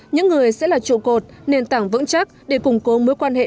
những người sẽ là trụ cột nền tảng vững chắc để củng cố mối quan hệ